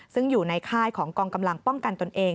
ซึ่งอยู่ในค่ายของกองกำลังป้องกันตนเอง